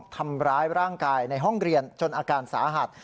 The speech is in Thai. ทำร้ายร่างกายในห้องเรียนจนอาการสาหัส